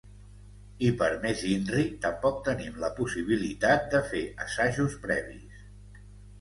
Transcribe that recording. I per més inri, tampoc tenim la possibilitat de fer assajos previs.